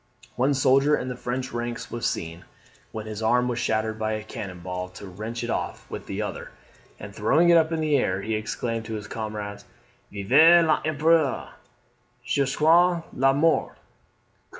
One soldier in the French ranks was seen, when his arm was shattered by a cannon ball, to wrench it off with the other; and throwing it up in the air, he exclaimed to his comrades, "Vive l'Empereur jusqu'a la mort!"